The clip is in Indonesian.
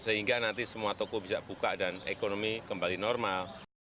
sehingga nanti semua toko bisa buka dan ekonomi kembali normal